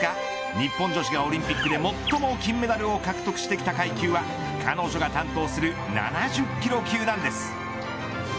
日本女子がオリンピックで最も金メダルを獲得してきた階級は彼女が担当する７０キロ級なんです。